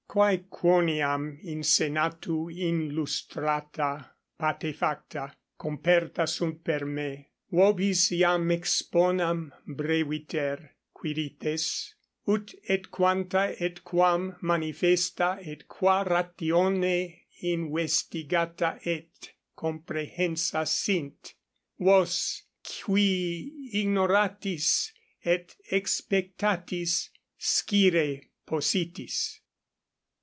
Quae 3 quoniam in senatu inlustrata, patefacta, comperta sunt per me, vobis iam exponam breviter, Quirites, ut et quanta et quam manifesta et qua ratione investigata et comprehensa sint, vos, qui ignoratis et exspectatis, scire possitis.